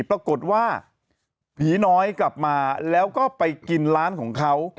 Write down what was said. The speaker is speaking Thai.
ปรากฏว่าผีน้อยกลับมาแล้วก็ไปกินร้านของเขา